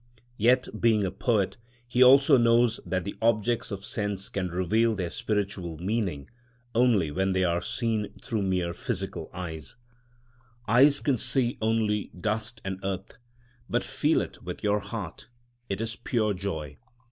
Yet, being a poet, he also knows that the objects of sense can reveal their spiritual meaning only when they are not seen through mere physical eyes: Eyes can see only dust and earth, But feel it with your heart, it is pure joy.